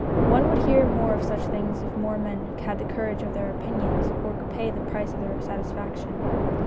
One would hear more of such things if more men had the courage of their opinions or could pay the price of their satisfaction.